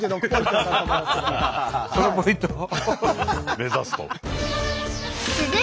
目指すと。